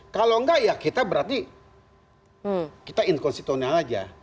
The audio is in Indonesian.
kalau enggak ya kita berarti kita inkonstitunial aja